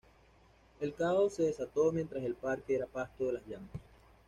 El caos se desató mientras el parque era pasto de las llamas.